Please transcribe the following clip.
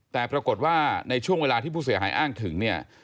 แต่ปรากฏว่าในช่วงเวลาที่ผู้เสียหายอ้างถึงเนี่ย